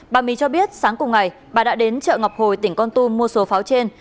bà my cho biết sáng cùng ngày bà đã đến chợ ngọc hồi tỉnh con tum mua số pháo trên